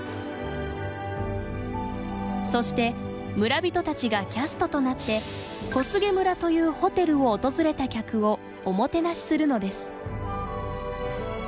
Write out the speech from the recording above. そして村人たちがキャストとなって小菅村というホテルを訪れた客をおもてなしするのです。